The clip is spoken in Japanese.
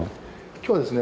今日はですね